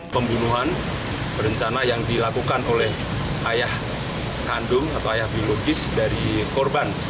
pembunuhan berencana yang dilakukan oleh ayah kandung atau ayah biologis dari korban